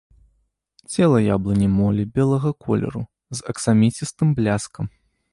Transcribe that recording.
Цела яблыні молі белага колеру, з аксаміцістым бляскам.